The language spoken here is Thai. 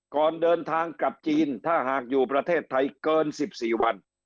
ก่อนเดินทางกลับจีนถ้าหากอยู่ประเทศไทยเกิน๑๔วัน